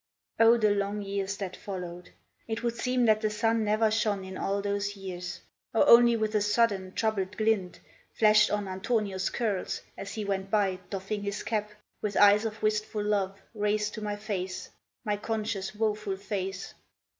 O the long years that followed! It would seem That the sun never shone in all those years, Or only with a sudden, troubled glint Flashed on Antonio's curls, as he went by Doffing his cap, with eyes of wistful love Raised to my face, my conscious, woful face.